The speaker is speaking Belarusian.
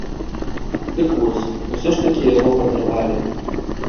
Дык вось, усё ж такі яго падарвалі.